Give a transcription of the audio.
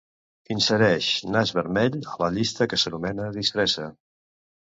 Insereix nas vermell a la llista que s'anomena "disfressa".